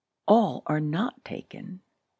A LL are not taken !